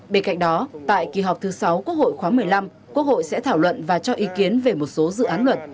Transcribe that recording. bên cạnh đó tại kỳ họp thứ sáu quốc hội khóa một mươi năm quốc hội sẽ thảo luận và cho ý kiến về một số dự án luật